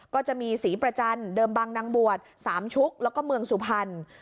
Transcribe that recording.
ก็จะมีศรีประจันทร์เดิมบางนางบวชสามชุกแล้วก็เมืองสุพรรณ